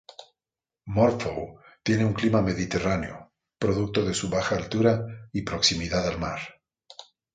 Morphou tiene un clima mediterráneo, producto de su baja altura y proximidad al mar.